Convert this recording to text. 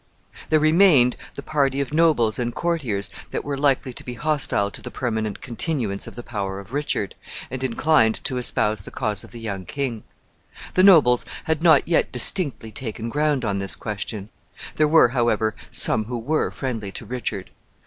There remained the party of nobles and courtiers that were likely to be hostile to the permanent continuance of the power of Richard, and inclined to espouse the cause of the young king. The nobles had not yet distinctly taken ground on this question. There were, however, some who were friendly to Richard.